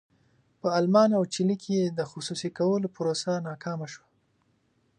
په المان او چیلي کې د خصوصي کولو پروسه ناکامه شوه.